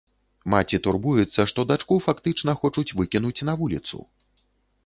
Маці турбуецца, што дачку фактычна хочуць выкінуць на вуліцу.